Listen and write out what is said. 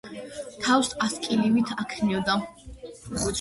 თავს ასკილივით აქნევდა.